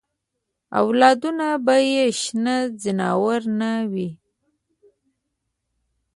اولادونه به یې شنه ځناور نه وي.